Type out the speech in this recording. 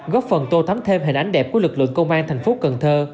góp phần tô thắm thêm hình ảnh đẹp của lực lượng công an thành phố cần thơ